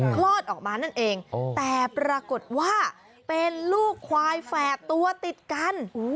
คลอดออกมานั่นเองแต่ปรากฏว่าเป็นลูกควายแฝดตัวติดกัน